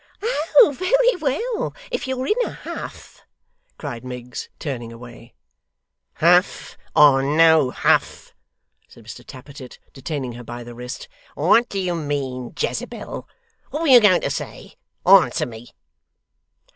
'Oh, very well if you're in a huff,' cried Miggs, turning away. 'Huff or no huff,' said Mr Tappertit, detaining her by the wrist. 'What do you mean, Jezebel? What were you going to say? Answer me!